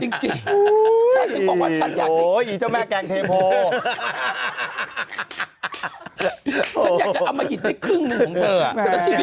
นั่งของเธอแล้วชีวิตเธอคงจะดีกว่าเดี๋ยว